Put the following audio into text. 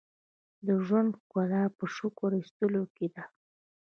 • د ژوند ښکلا په شکر ایستلو کې ده.